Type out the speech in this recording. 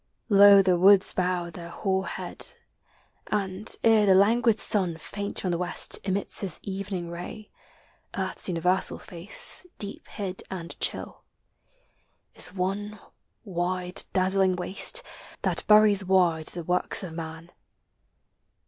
Low the woods TEE SEASONS. 185 Bow their hoar hea,d; and, ere the languid sun Faint from the west emits his evening ray, Earth's universal face, deep hid and chill, Is one wide dazzling waste, that buries wide The works of man.